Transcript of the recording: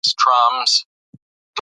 هغه به ماښام غاښونه برس کوي.